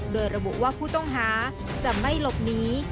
โดยระบุว่าผู้ต้องหาจะไม่หลบหนี